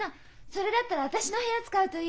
それだったら私の部屋使うといいよ。